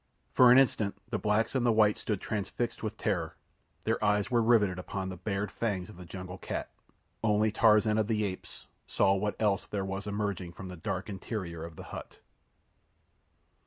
For an instant the blacks and the whites stood transfixed with terror. Their eyes were riveted upon the bared fangs of the jungle cat. Only Tarzan of the Apes saw what else there was emerging from the dark interior of the hut.